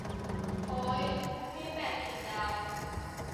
โอ๊ย ให้แปดสิบดาว